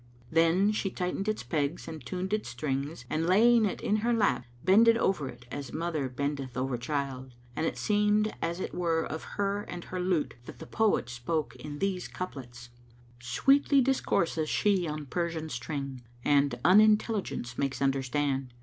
Then she tightened its pegs and tuned its strings and laying it in her lap, bended over it as mother bendeth over child; and it seemed as it were of her and her lute that the poet spoke in these couplets, "Sweetly discourses she on Persian string * And Unintelligence makes understand.